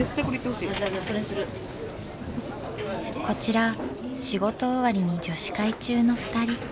こちら仕事終わりに女子会中のふたり。